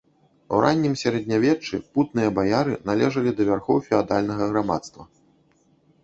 У раннім сярэднявеччы путныя баяры належалі да вярхоў феадальнага грамадства.